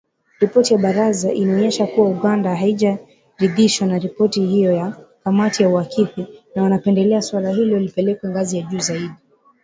Ripoti ya Baraza inaonyesha kuwa Uganda haijaridhishwa na ripoti hiyo ya " kamati ya uhakiki “ na wanapendelea suala hilo lipelekwe ngazi ya juu zaidi